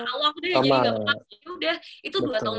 kan awal udah ya jadi gak pernah